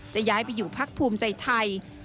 จะย้ายไปอยู่พรรคภูมิใจทัย